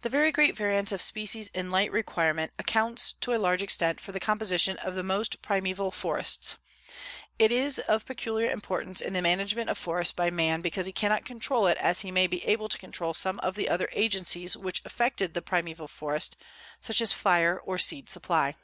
The very great variance of species in light requirement accounts to a large extent for the composition of most primeval forests. It is of peculiar importance in the management of forests by man because he cannot control it as he may be able to control some of the other agencies which affected the primeval forest, such as fire or seed supply.